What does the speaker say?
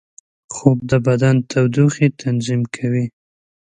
خوب د بدن تودوخې تنظیم کوي